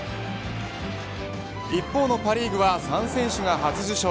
一方のパ・リーグは３選手が初受賞。